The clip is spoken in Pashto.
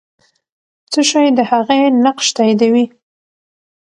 څه شی د هغې نقش تاییدوي؟